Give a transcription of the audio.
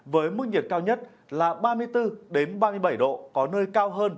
với mức nhiệt cao nhất là ba mươi bốn ba mươi bảy độ có nơi cao hơn